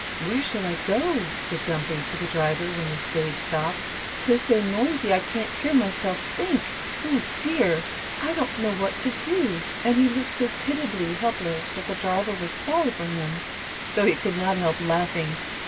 "Where shall I go," said Dumpy to the driver, when the stage stopped. "'Tis so noisy I can't hear myself think. Oh, dear! I don't know what to do," and he looked so pitiably helpless that the driver was sorry for him, though he could not help laughing.